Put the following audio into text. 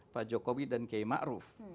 pak jokowi dan k ma'ruf